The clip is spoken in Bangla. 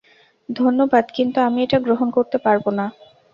ধন্যবাদ, কিন্তু আমি এটা গ্রহণ করতে পারবো না।